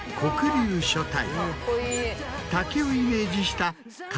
竹をイメージした。